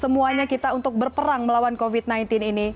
semuanya kita untuk berperang melawan covid sembilan belas ini